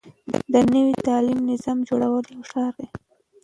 د نوي تعليمي نظام جوړول يو ښه کار دی.